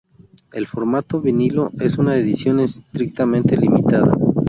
El formato vinilo es una edición estrictamente limitada.